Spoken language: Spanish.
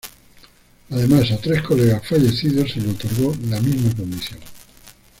Además, a tres colegas fallecidos se le otorgó la misma condición.